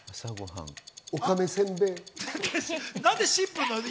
おかめせんべい。